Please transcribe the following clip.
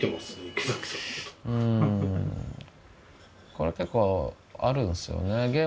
これ結構あるんですよね。